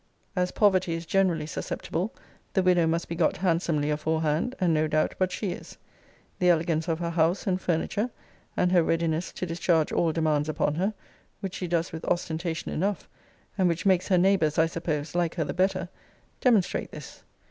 As poverty is generally suspectible, the widow must be got handsomely aforehand; and no doubt but she is. The elegance of her house and furniture, and her readiness to discharge all demands upon her, which she does with ostentation enough, and which makes her neighbours, I suppose, like her the better, demonstrate this.